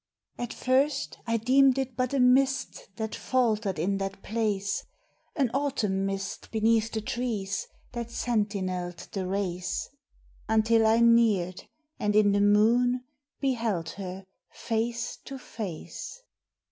At first I deemed it but a mist that faltered in that place, An autumn mist beneath the trees that sentineled the race; Until I neared and in the moon beheld her face to face.